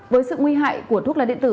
với sự nguy hại của thuốc lá điện tử